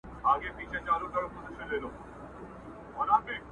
نه سره لمبه، نه پروانه سته زه به چیري ځمه٫